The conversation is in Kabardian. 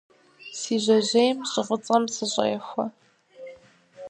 Си жьэжьейм щӀы фӀыцӀэм сыщӀехуэ.